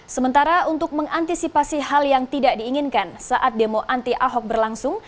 sementara untuk mengantisipasi hal yang tidak diinginkan saat demo anti ahok berlangsung